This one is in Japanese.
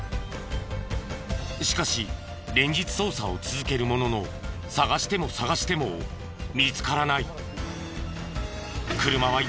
しかし連日捜査を続けるものの捜しても捜しても見つからない。